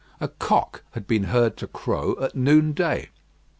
A cock had been heard to crow at noonday.